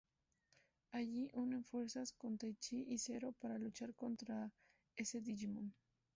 Allí, unen fuerzas con Taichi y Zero para luchar contra ese Digimon.